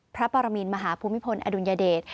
พระปรมินมหาภูมิพลอดุลยเดช